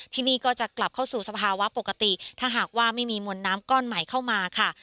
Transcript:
ที่นี่ก็จะกลับเข้าสู่สภาวะปกติถ้าหากว่าไม่มีมวลน้ำก้อนใหม่เข้ามาค่ะ